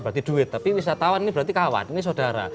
berarti duit tapi wisatawan ini berarti kawan ini saudara